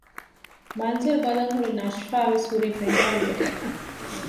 މަންޒަރު ބަލަން ހުރި ނަޝްފާ ވެސް ހުރީ ފެންކަޅިވެފަ